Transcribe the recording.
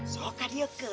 suka dia kan